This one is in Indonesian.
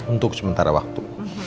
untuk sementara waktu